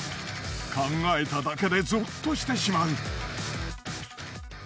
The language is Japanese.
考えただけでゾッとしてしまう。